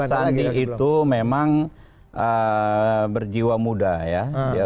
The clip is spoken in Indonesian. sandi itu memang berjiwa muda ya